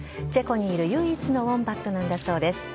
チェコにいる唯一のウォンバットなんだそうです。